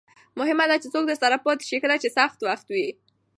مهمه ده چې څوک درسره پاتې شي کله چې سخت وخت وي.